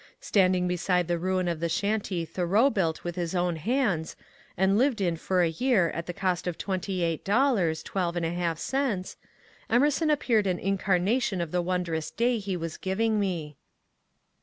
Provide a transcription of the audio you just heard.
Standing be side the ruin of the shanty Thoreau built with his own hands. A MEMORABLE DAY 139 and lived in for a year at a cost of twenty eight dollars, twelve and a half cents, Emerson appeared an incarnation of the wondrous day he was giving me.